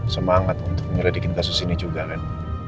semangat untuk menyeredikin kasus ini juga kan